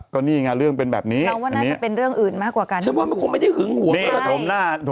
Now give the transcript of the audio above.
ตอนนี้เขาบอกจึงขึงห่วง